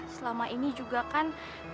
selama ini juga kan